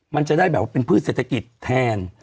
มันจะได้แบบว่าเป็นพืชเศรษฐกิจแทน